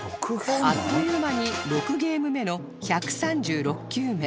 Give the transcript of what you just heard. あっという間に６ゲーム目の１３６球目